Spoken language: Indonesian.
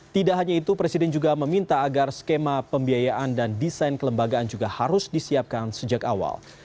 tidak hanya itu presiden juga meminta agar skema pembiayaan dan desain kelembagaan juga harus disiapkan sejak awal